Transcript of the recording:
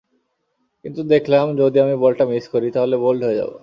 কিন্তু দেখলাম যদি আমি বলটা মিস করি, তাহলে বোল্ড হয়ে যাব।